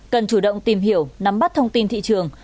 cần chủ động tìm hiểu nắm bắt thông tin thị trường